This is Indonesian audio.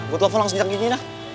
gue telfon langsung dianggap gini lah